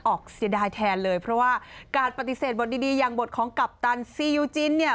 เสียดายแทนเลยเพราะว่าการปฏิเสธบทดีอย่างบทของกัปตันซียูจินเนี่ย